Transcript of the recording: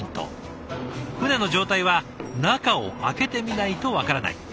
船の状態は中を開けてみないと分からない。